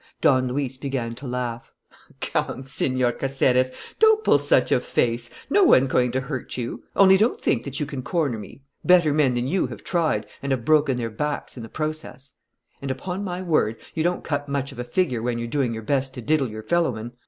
Don Luis began to laugh. "Come, Señor Caceres, don't pull such a face! No one's going to hurt you. Only don't think that you can corner me. Better men than you have tried and have broken their backs in the process. And, upon my word, you don't cut much of a figure when you're doing your best to diddle your fellowmen.